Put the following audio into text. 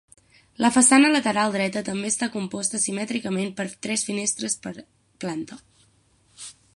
La façana lateral dreta també està composta simètricament per tres finestres per planta.